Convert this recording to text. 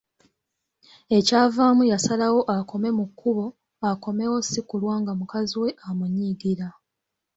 Ekyavaamu yasalawo akome mu kkubo akomewo si kulwa nga mukazi we amunyiigira.